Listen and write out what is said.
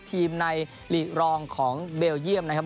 ทีมในหลีกรองของเบลเยี่ยมนะครับ